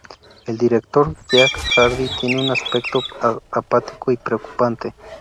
El director Jack Hardy tiene un aspecto apático y preocupante.